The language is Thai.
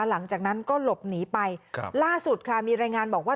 หลังจากนั้นก็หลบหนีไปครับล่าสุดค่ะมีรายงานบอกว่า